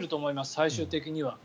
最終的には。